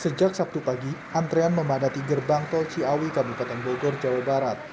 sejak sabtu pagi antrean memadati gerbang tol ciawi kabupaten bogor jawa barat